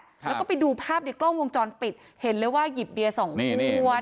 แล้วก็ไปดูภาพในกล้องวงจรปิดเห็นเลยว่าหยิบเบียร์สองตัว